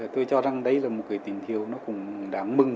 tôi cho rằng đấy là một cái tình hiệu nó cũng đáng mừng